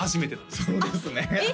そうですねえっ